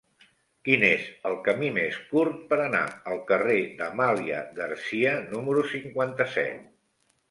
Quin és el camí més curt per anar al carrer d'Amàlia Garcia número cinquanta-set?